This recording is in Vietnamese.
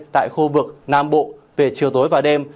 tại khu vực nam bộ về chiều tối và đêm